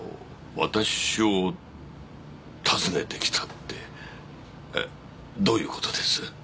わたしを訪ねてきたってどういうことです？